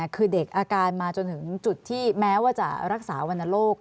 คือเด็กอาการมาจนถึงจุดที่แม้ว่าจะรักษาวรรณโรค